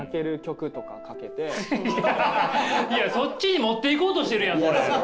いやそっちに持っていこうとしてるやんこれ！